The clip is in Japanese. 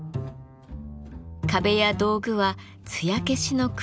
壁や道具はつや消しの黒で統一。